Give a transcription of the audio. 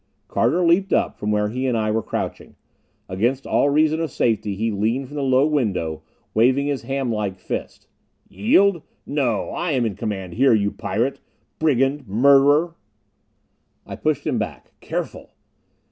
Carter leaped up from where he and I were crouching. Against all reason of safety he leaned from the low window, waving his hamlike fist. "Yield? No! I am in command here, you pirate! Brigand murderer!" I pushed him back. "Careful!"